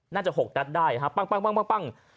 น่าจะหกนัดได้ฮะปั้ง